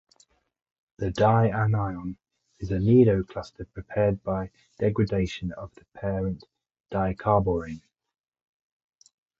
The dianion is a nido cluster prepared by degradation of the parent dicarborane.